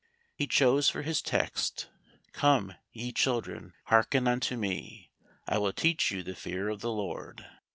He chose for his text: "Come, ye children, hearken unto Me: I will teach you the fear of the Lord."